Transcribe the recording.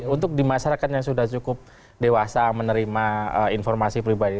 untuk di masyarakat yang sudah cukup dewasa menerima informasi pribadi